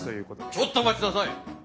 ちょっと待ちなさい。